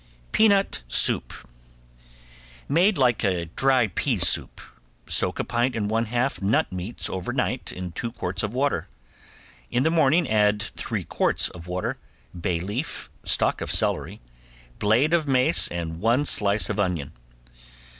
~PEANUT SOUP~ Made like a dry pea soup. Soak a pint and one half nut meats over night in two quarts of water. In the morning add three quarts of water, bay leaf, stalk of celery, blade of mace and one slice of onion.